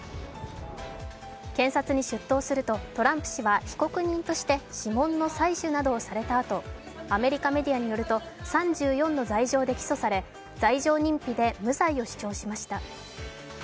検察に出頭するとトランプ氏は被告人として指紋の採取などされたあとアメリカメディアによると、３４の罪状で起訴され、罪状認否で無罪を主張しました。